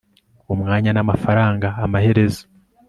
umwanya namafaranga amaherezo